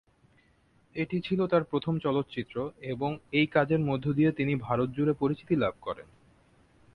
এটি ছিল তার প্রথম চলচ্চিত্র এবং এই কাজের মধ্য দিয়ে তিনি ভারত জুড়ে পরিচিতি লাভ করেন।